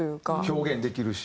表現できるし。